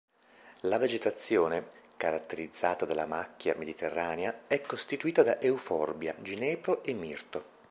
La vegetazione, caratterizzata dalla macchia mediterranea, è costituita da euforbia, ginepro e mirto.